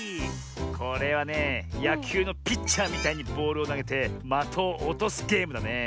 これはねやきゅうのピッチャーみたいにボールをなげてまとをおとすゲームだねえ。